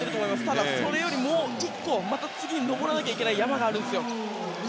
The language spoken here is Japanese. ただ、それよりももう１個次に登らなきゃいけない山があるんですよ。